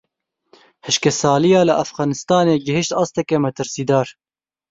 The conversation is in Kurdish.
Hişkesaliya li Efxanistanê gihişt asteke metirsîdar.